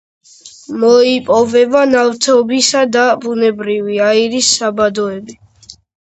მოიპოვება ნავთობისა და ბუნებრივი აირის საბადოები.